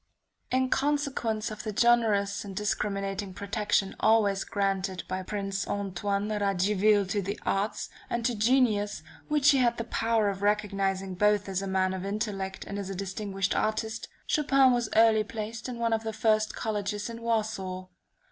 In consequence of the generous and discriminating protection always granted by Prince Antoine Radziwill to the arts, and to genius, which he had the power of recognizing both as a man of intellect and as a distinguished artist; Chopin was early placed in one of the first colleges in Warsaw.